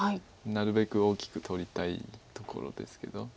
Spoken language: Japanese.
なるべく大きく取りたいところですけど。